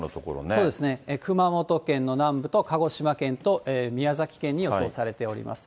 そうですね、熊本県の南部と鹿児島県と宮崎県に予想されております。